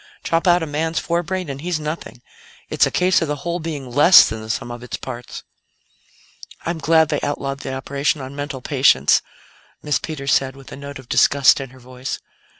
Chop out a man's forebrain and he's nothing. It's a case of the whole being less than the sum of its parts." "I'm glad they outlawed the operation on mental patients," Miss Peters said, with a note of disgust in her voice.